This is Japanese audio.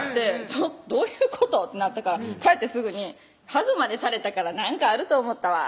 ちょっとどういうこと？ってなったから帰ってすぐに「ハグまでされたから何かあると思ったわ」